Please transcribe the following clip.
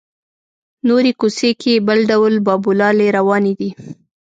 نورې کوڅې کې بل ډول بابولالې روانې دي.